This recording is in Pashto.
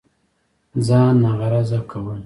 ځان ناغرضه كول